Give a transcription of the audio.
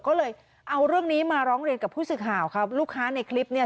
ก็เลยเอาเรื่องนี้มาร้องเรียนกับผู้สื่อข่าวครับลูกค้าในคลิปเนี่ย